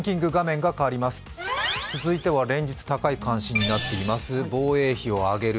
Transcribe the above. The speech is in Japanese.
続いては連日高い関心になっています、防衛費を上げる。